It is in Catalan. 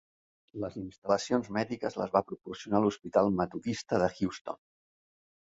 Les instal·lacions mèdiques les va proporcionar l'Hospital Metodista de Houston.